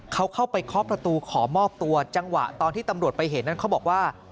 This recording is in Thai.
เขาเข้าไปเคาะประตูขอมอบตัวจังหวะตอนที่ตำรวจไปเห็นนั้นเขาบอกว่า